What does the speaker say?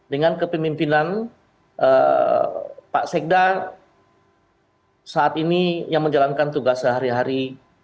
dengan kepemimpinan pak sekda saat ini yang menjalankan tugas sehari hari